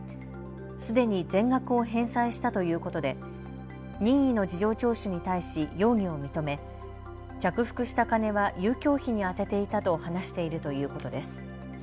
すでに全額を返済したということで任意の事情聴取に対し容疑を認め着服した金は遊興費に充てていたと話しているということです。